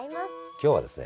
今日はですね